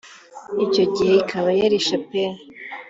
icyo gihe ikaba yari Chapelle